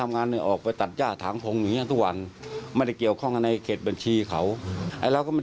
นี้นะคะครับ